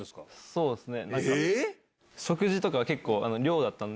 そうっすね。